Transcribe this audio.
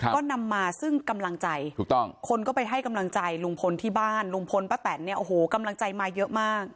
ก็นำมาซึ่งกำลังใจถูกต้องคนก็ไปให้กำลังใจลุงพลที่บ้านลุงพลป้าแตนเนี่ยโอ้โหกำลังใจมาเยอะมาก